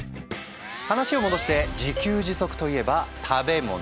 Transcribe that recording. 話を戻して自給自足といえば食べ物。